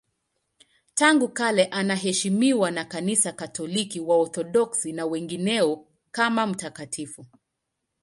Tangu kale anaheshimiwa na Kanisa Katoliki, Waorthodoksi na wengineo kama mtakatifu.